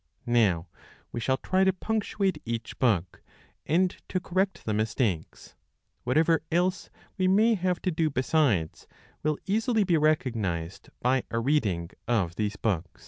Now we shall try to punctuate each book, and to correct the mistakes. Whatever else we may have to do besides, will easily be recognized by a reading of these books.